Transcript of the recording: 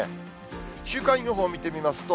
週間予報見てみますと。